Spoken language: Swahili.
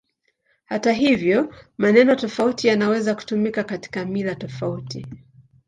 Hata hivyo, maneno tofauti yanaweza kutumika katika mila tofauti.